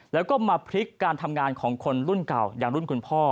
แล้วก็มาพลิกการทำงานของคนรุ่นเก่าอย่างรุ่นคุณพ่อ